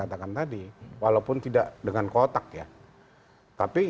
hal hal yang terjadi di perusahaan ini ini dan artinya ada pengalaman yang terjadi di perusahaan ini